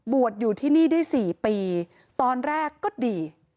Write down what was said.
อยู่ที่นี่ได้๔ปีตอนแรกก็ดี